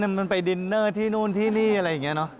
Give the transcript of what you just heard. มันไปดินเนอร์ที่นู่นที่นี่อะไรอย่างนี้เนอะ